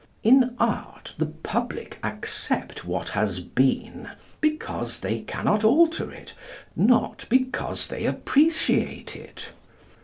In Art, the public accept what has been, because they cannot alter it, not because they appreciate it.